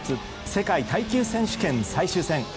世界耐久選手権最終戦。